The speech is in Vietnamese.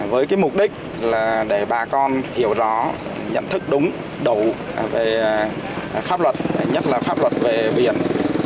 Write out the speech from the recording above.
với cái mục đích là để bà con hiểu rõ nhận thức đúng đủ về pháp luật nhất là pháp luật về biển